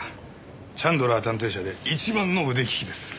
チャンドラー探偵社で一番の腕利きです。